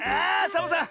サボさん